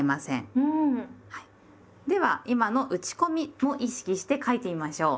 では今の打ち込みを意識して書いてみましょう。